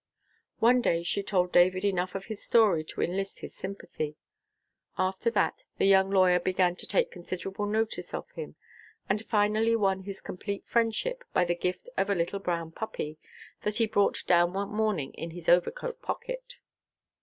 One day she told David enough of his history to enlist his sympathy. After that the young lawyer began to take considerable notice of him, and finally won his complete friendship by the gift of a little brown puppy, that he brought down one morning in his overcoat pocket.